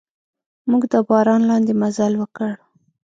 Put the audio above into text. موږ د باران لاندې مزل وکړ.